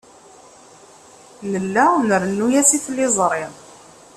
Nella nrennu-as i tliẓri.